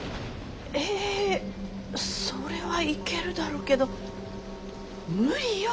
えぇそれは行けるだろうけど無理よ